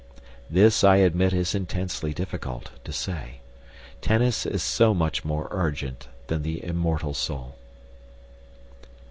This, I admit, is intensely difficult to say. Tennis is so much more urgent than the immortal soul.